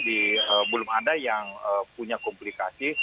belum ada yang punya komplikasi